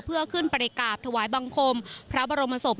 เพื่อขึ้นไปกราบถวายบังคมพระบรมศพ